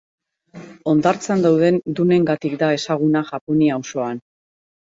Hondartzan dauden dunengatik da ezaguna Japonia osoan.